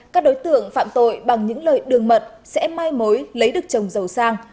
các đối tượng phạm tội bằng những lời đường mận sẽ mai mối lấy được chồng giàu sang